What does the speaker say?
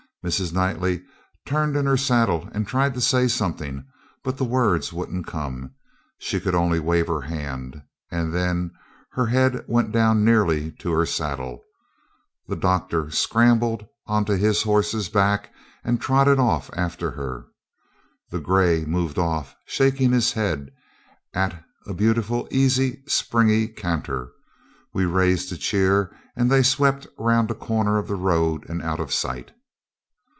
Mrs. Knightley turned in her saddle and tried to say something, but the words wouldn't come she could only wave her hand and then her head went down nearly to her saddle. The doctor scrambled on to his horse's back, and trotted off after her. The gray moved off, shaking his head, at a beautiful, easy, springy canter. We raised a cheer, and they swept round a corner of the road and out of sight.